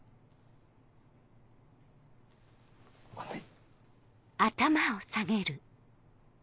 ごめん。